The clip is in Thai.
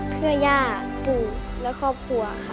เพื่อย่าปู่และครอบครัวค่ะ